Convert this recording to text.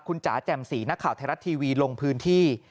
คุณจ๋าแจ่มสีนักข่าวไทยรัฐทีวีลงพื้นที่